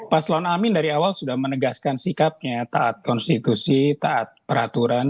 paslon amin dari awal sudah menegaskan sikapnya taat konstitusi taat peraturan